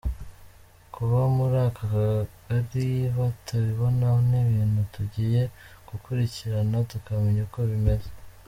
Kuba muri aka Kagari batabibona ni ibintu tugiye gukurikirana tukamenya uko bimeze.